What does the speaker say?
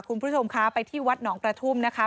คุณผู้ชมคะไปที่วัดหนองกระทุ่มนะคะ